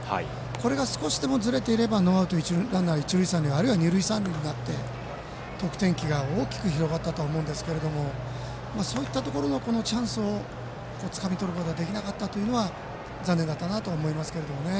これが少しでもずれていればノーアウトランナー、一塁三塁あるいは、二塁三塁になって得点機が大きく広がったと思いますがそういったチャンスをつかみとることができなかったのは残念だったと思いますけどね。